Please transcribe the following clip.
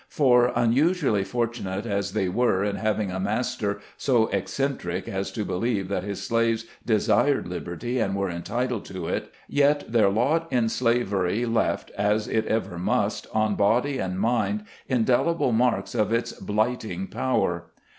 For, unusually fortunate as they were in having a master so eccentric as to believe that his slaves desired liberty and were enti tled to it, yet their lot in slavery left, as it ever must, on body and mind, indelible marks of its blighting power.